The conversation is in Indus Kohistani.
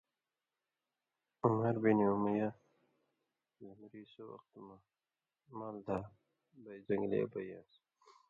عَمَر بن امیہ ضمری سو وخت مال دھا بَئیں (زنگلے) بئ یان٘س،